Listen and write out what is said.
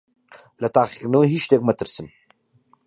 لە تاقیکردنەوەی هیچ شتێک مەترسن.